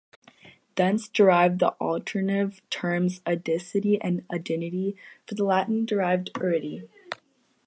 Thence derive the alternative terms "adicity" and "adinity" for the Latin-derived "arity".